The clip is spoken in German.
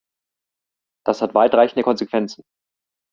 Das hat weitreichende Konsequenzen.